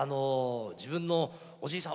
自分のおじいさん